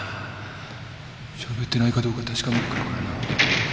しゃべってないかどうか確かめに来るからな